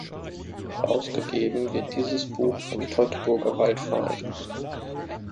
Herausgegeben wird dieses Buch vom Teutoburger-Wald-Verein.